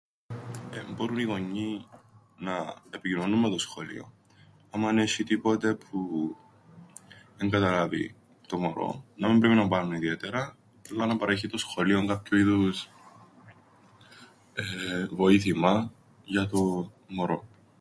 Μπόρουν οι γονιοί να επικοινωνούν με το σχολείον άμαν έσ̆ει τίποτε που εν καταλάβει το μωρόν να μεν πρέπει να το πάρουν ιδιαίτερα, αλλά να παρέχει το σχολείον κάποιου είδους βοήθημαν για το μωρό.